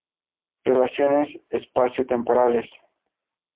Relaciones espacio-temporales.